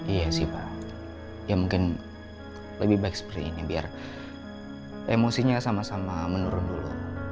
iya sih pak ya mungkin lebih baik seperti ini biar emosinya sama sama menurun dulu